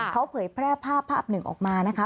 เขาเผยแพร่ภาพภาพหนึ่งออกมานะคะ